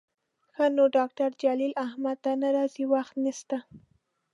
ښه نو ډاکتر جلیل احمد نه راځي، وخت نسته